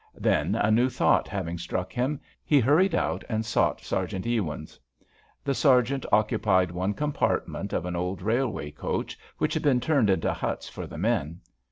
Then, a new thought having struck him, he hurried out and sought Sergeant Ewins. The sergeant occupied one compartment of an old railway coach, which had been turned into huts for the men.